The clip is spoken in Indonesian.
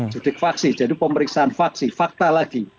judik faksi jadi pemeriksaan faksi fakta lagi